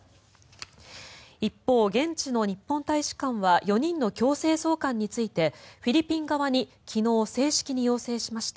一方、現地の日本大使館は４人の強制送還についてフィリピン側に昨日、正式に要請しました。